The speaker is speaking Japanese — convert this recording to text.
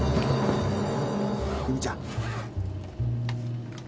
・・由美ちゃん。